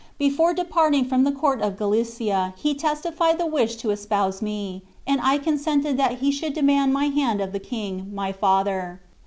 Before departing from the court of Galicia he testified the wish to espouse me, and I consented that he should demand my hand of the king, my father.